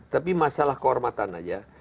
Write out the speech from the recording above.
tapi masalah kehormatan saja